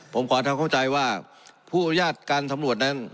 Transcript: ผมขอทำเข้าใจว่าผู้อนุญาตการสำรวจนั้น